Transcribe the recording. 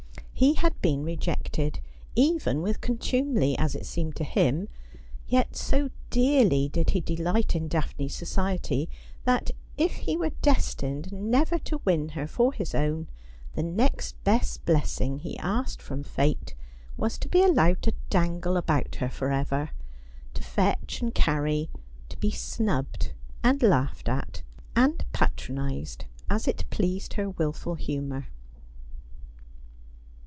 He had been rejected, even with contumely, as it seemed to him : yet so dearly did he delight in Daphne's society that if he were destined never to win her for his own, the next best blessing he asked from Fate was to be allowed to dangle about her for ever — to fetch and carry, to be snubbed, and laughed at, and patronised, as it pleased her wilful humour.